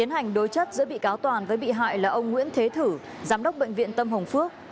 hành đối chất giữa bị cáo toàn với bị hại là ông nguyễn thế thử giám đốc bệnh viện tâm hồng phước